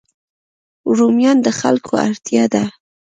رومیان د خلکو اړتیا ده